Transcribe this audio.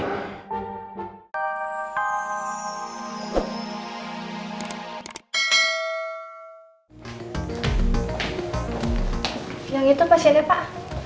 yang itu pasiennya pak